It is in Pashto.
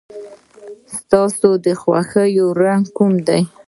ستا د خوښې رنګ کوم دی؟